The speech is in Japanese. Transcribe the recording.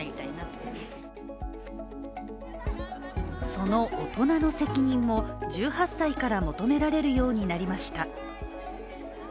その大人の責任も１８歳から求められるようになりました。